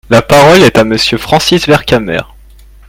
La parole est à Monsieur Francis Vercamer.